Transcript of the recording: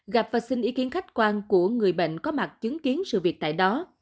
gặp và xin ý kiến khách quan của người bệnh có mặt chứng kiến sự việc tại đó